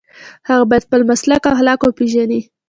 هغه باید خپل مسلک او اخلاق وپيژني.